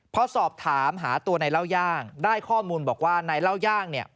พอสอบถามหาตัวในเล่าย่างได้ข้อมูลบอกว่านายเล่าย่างเนี่ย